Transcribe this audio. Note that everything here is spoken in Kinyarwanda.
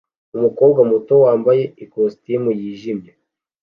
Umukobwa muto wambaye ikositimu yijimye